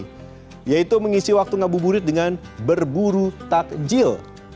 yang ketiga yang bisa dilakukan adalah mengisi waktu ngabuburit dengan berburu takjil